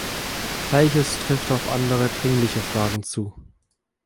Gleiches trifft auf andere dringliche Fragen zu.